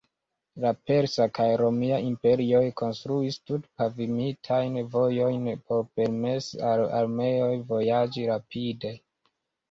La persa kaj romia imperioj konstruis tut-pavimitajn vojojn por permesi al armeoj vojaĝi rapide.